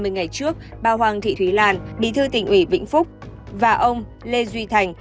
hai mươi ngày trước bà hoàng thị thúy lan bí thư tỉnh ủy vĩnh phúc và ông lê duy thành